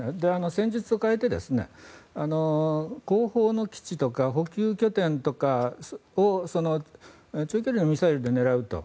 戦術を変えて後方の基地とか補給拠点とかを長距離のミサイルで狙うと。